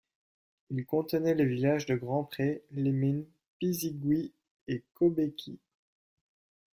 Il contenait les villages de Grand-Pré, Les Mines, Pisiguit, et Cobéquid.